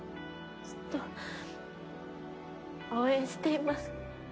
ずっと応援しています。